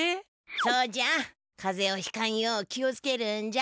そうじゃかぜをひかんよう気をつけるんじゃ。